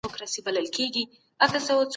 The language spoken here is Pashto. د پادشاه اختيار تر عسکر ډېر دی.